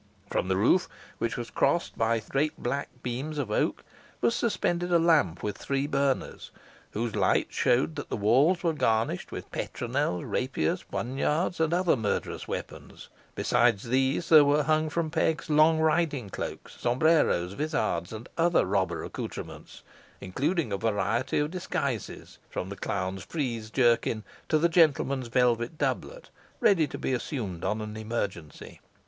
From the roof, which was crossed by great black beams of oak, was suspended a lamp with three burners, whose light showed that the walls were garnished with petronels, rapiers, poniards, and other murderous weapons; besides these there were hung from pegs long riding cloaks, sombreros, vizards, and other robber accoutrements, including a variety of disguises, from the clown's frieze jerkin to the gentleman's velvet doublet, ready to be assumed on an emergency.